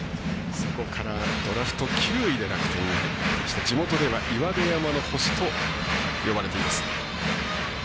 そこからドラフト９位で楽天に入りまして地元では岩出山の星と呼ばれています。